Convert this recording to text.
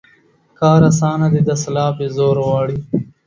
کار اسانه دى ، دسلاپ يې زور غواړي.